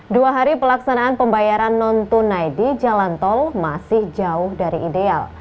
dua hari pelaksanaan pembayaran non tunai di jalan tol masih jauh dari ideal